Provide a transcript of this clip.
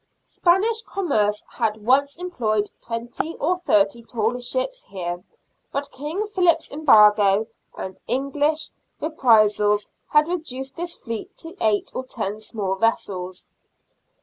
Spanish commerce had once employed twenty or thirty tall ships here ; but King Philip's embargo and English reprisals had reduced this no SIXTEENTH CENTURY BRISTOL. fleet to eight or ten small vessels.